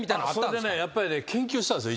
やっぱりね研究したんですよ